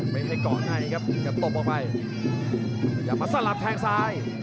ไม่ให้กอดง่ายครับอยากตบออกไปอยากมาสลับแทงซ้าย